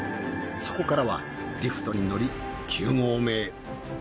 そこからはリフトに乗り９合目へ。